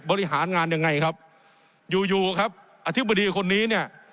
บริหารงานยังไงครับอยู่อยู่ครับอธิบดีคนนี้เนี่ย